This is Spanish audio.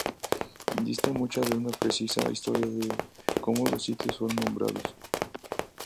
Dista mucho de una precisa historia de cómo los sitios fueron nombrados.